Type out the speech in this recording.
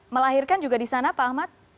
melahirkan juga di sana pak ahmad